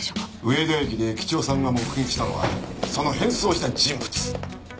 上田駅で駅長さんが目撃したのはその変装した人物。